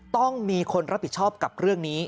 ต้องมีคนรับผิดชอบกับเรื่องนี้